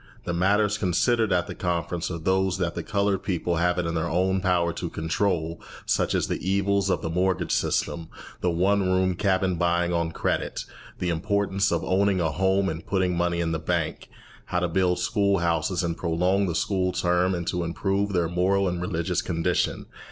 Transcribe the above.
The matters considered at the conference are those that the coloured people have it in their own power to control, such as the evils of the mortgage system, the one room cabin, buying on credit, the importance of owning a home and of putting money in the bank, how to build school houses and prolong the school term, and to improve their moral and religious condition.